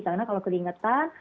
karena kalau keringetan